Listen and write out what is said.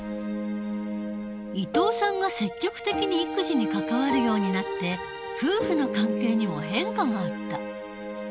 伊藤さんが積極的に育児に関わるようになって夫婦の関係にも変化があった。